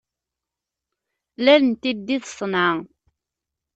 Lal n tiddi d ṣenɛa.